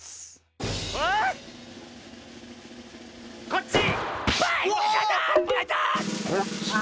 こっち！